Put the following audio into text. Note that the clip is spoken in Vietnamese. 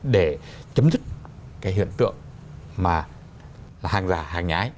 để chấm dứt cái hiện tượng mà hàng giả hàng nhái